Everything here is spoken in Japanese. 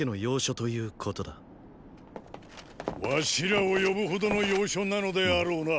儂らを呼ぶほどの要所なのであろうな。